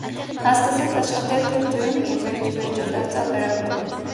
Նա սկսեց աշխատել թերթում և վերջիվերջո դարձավ լրագրող։